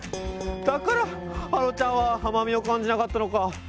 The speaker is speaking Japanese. だからはろちゃんはあまみをかんじなかったのか。